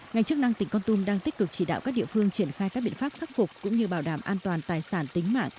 ngành chức năng tỉnh con tum đang tích cực chỉ đạo các địa phương triển khai các biện pháp khắc phục cũng như bảo đảm an toàn tài sản tính mạng